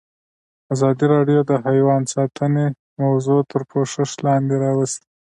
ازادي راډیو د حیوان ساتنه موضوع تر پوښښ لاندې راوستې.